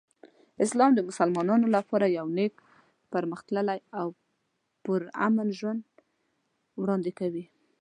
اسلام د مسلمانانو لپاره یو نیک، پرمختللی او پرامن ژوند وړاندې کوي.